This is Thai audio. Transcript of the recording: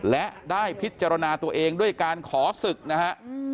และได้พิจารณาตัวเองด้วยการขอศึกนะฮะ